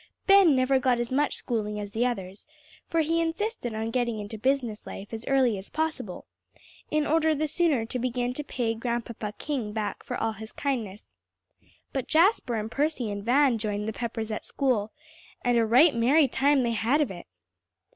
Ben never got as much schooling as the others, for he insisted on getting into business life as early as possible, in order the sooner to begin to pay Grandpapa King back for all his kindness. But Jasper and Percy and Van joined the Peppers at school, and a right merry time they had of it!